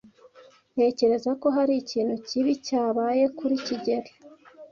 Ntekereza ko hari ikintu kibi cyabaye kuri kigeli.